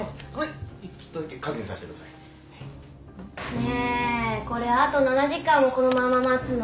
ねこれあと７時間もこのまま待つの？